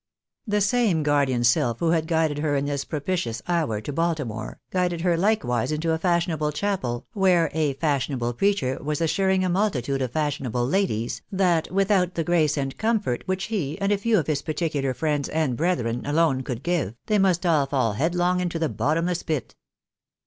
The same guardian sylph who had guided her in this propitious hour to Baltimore, guided her likewise into a fashionable chapel, where a fashionable preacher was assuring a multitude of fashion able ladies, that without the grace and comfort which he, and a few of his particular friends and brethren alone could give, they must all fall headlong into the bottomless pit.